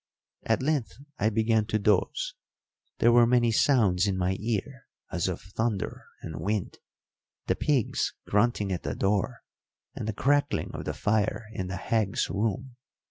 At length I began to doze. There were many sounds in my ear as of thunder and wind, the pigs grunting at the door, and the crackling of the fire in the hag's room.